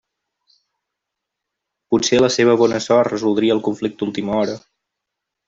Potser la seua bona sort resoldria el conflicte a última hora.